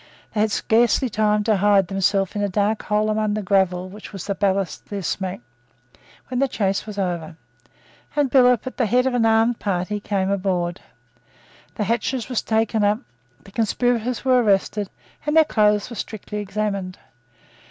They had scarcely time to hide themselves in a dark hole among the gravel which was the ballast of their smack, when the chase was over, and Billop, at the head of an armed party, came on board. The hatches were taken up: the conspirators were arrested; and their clothes were strictly examined.